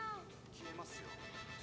「『消えますよ』」